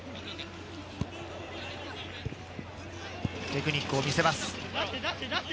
テクニックを見せます。